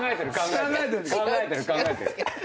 考えてる考えてる。